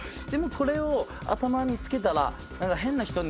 でもこれを頭に着けたら。